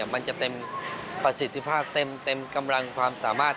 มันจะเต็มประสิทธิภาพเต็มกำลังความสามารถ